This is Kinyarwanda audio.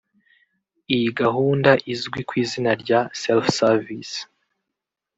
Iyi gahunda izwi kw’izina rya “Self-service”